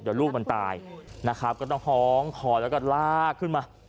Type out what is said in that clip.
เดี๋ยวลูกมันตายนะครับก็ต้องฮ้องคอแล้วก็ลากขึ้นมา